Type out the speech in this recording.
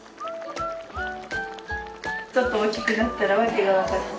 ちょっと大きくなったら訳がわかって。